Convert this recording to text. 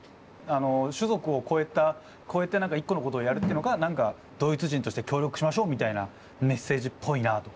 種族を超えて何か一個のことをやるってのがドイツ人として協力しましょうみたいなメッセージっぽいなあと。